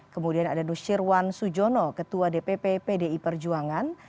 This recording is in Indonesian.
kemudian ada nusirwan sujono ketua dpp pdi perjuangan